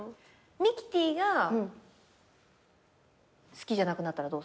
ミキティが好きじゃなくなったらどうするの？